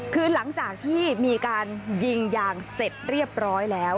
คือหลังจากที่มีการยิงยางเสร็จเรียบร้อยแล้ว